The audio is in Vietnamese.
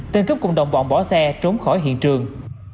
tên cướp cùng đồng bọn bỏ xe trốn khỏi hiện trường